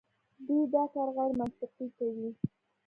دوی دا کار غیرمنطقي کوي.